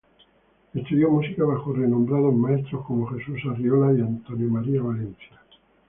Estudió música bajo renombrados maestros como Jesús Arriola y Antonio María Valencia.